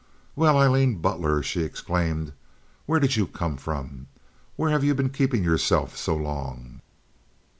"Well, Aileen Butler!" she exclaimed. "Where did you come from? Where have you been keeping yourself so long?"